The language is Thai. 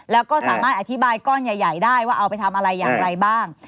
แล้วก็สามารถอธิบายก้อนใหญ่ได้ว่าเอาไปทำอะไรอย่างไรบ้าง